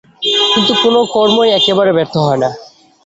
কিন্তু কোন কর্মই একেবারে ব্যর্থ হয় না।